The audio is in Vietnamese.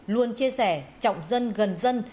luôn chia sẻ trọng dân gần dân